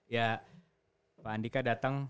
ya pak andika datang